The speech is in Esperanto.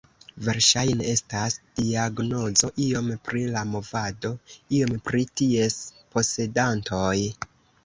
Verŝajne estas diagnozo iom pri la movado, iom pri ties posedantoj.